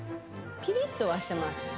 ピリっとはしてます。